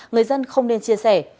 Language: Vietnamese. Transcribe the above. người dân không nên chia sẻ